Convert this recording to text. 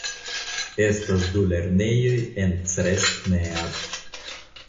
Estas du lernejoj en Crestmead.